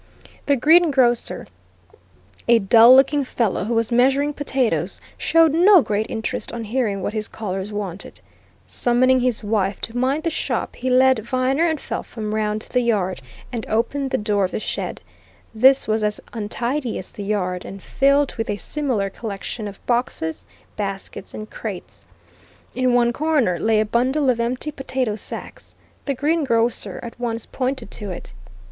The greengrocer, a dull looking fellow who was measuring potatoes, showed no great interest on hearing what his callers wanted. Summoning his wife to mind the shop, he led Viner and Felpham round to the yard and opened the door of the shed. This was as untidy as the yard, and filled with a similar collection of boxes, baskets and crates. In one corner lay a bundle of empty potato sacks the greengrocer at once pointed to it.